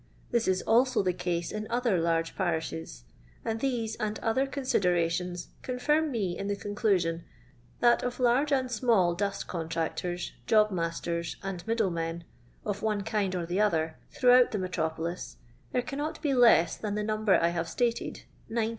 This is also the case in other huge parishes, and these and other considerations confirm me in the conclusion that of large and small 168 LO^^DON LABOUR AND THE LONDON POOR. duit contmctora, job mastert, and middle men, of one kind or the other, throughout the metropolis, there cannot be leu than the number I have ■tated — 90.